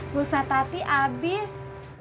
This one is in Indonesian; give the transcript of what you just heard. pulsat tati abis